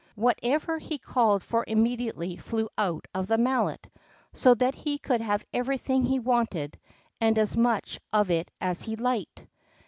Whatever he called for immediately flew out of the Mallet, so that he could have everything he wanted, and as much of it as he liked.